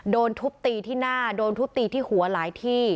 โดนทุบตีที่หน้าโดนทุบตีที่หัวหลายที่